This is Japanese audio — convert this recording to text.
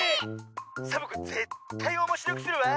サボ子ぜったいおもしろくするわ！